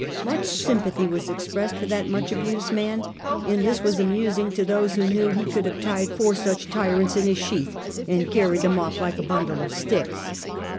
Much sympathy was expressed for that much abused man; and this was amusing to those who knew he could have tied four such tyrants in a sheaf, and carried them ojff like a bundle of sticks.